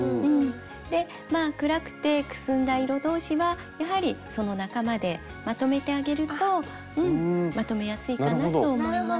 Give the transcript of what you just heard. で暗くてくすんだ色同士はやはりその仲間でまとめてあげるとうんまとめやすいかなと思います。